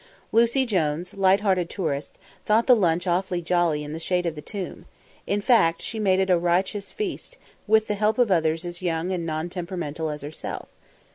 Lucy Jones, lighthearted tourist, thought the lunch awfully jolly in the shade of the tomb, in fact, she made it a riotous feast, with the help of others as young and non temperamental as herself.